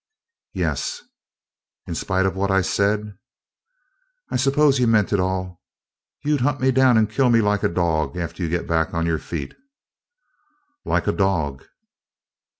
"Yes." "In spite of what I've said?" "I suppose you meant it all? You'd hunt me down and kill me like a dog after you get back on your feet?" "Like a dog."